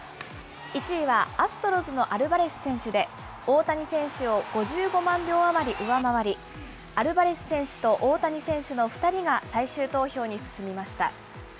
１位はアストロズのアルバレス選手で、大谷選手を５５万票余り上回り、アルバレス選手と大谷選手の２人が最終投票に進みました。